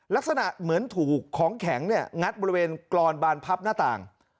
ลักษณะเหมือนถูกของแข็งงัดบริเวณกรอนบานพับหน้าต่าง